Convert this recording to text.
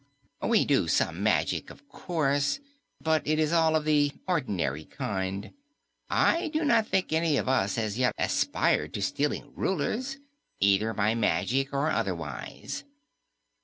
We do some magic, of course, but it is all of the ordinary kind. I do not think any of us has yet aspired to stealing Rulers, either by magic or otherwise."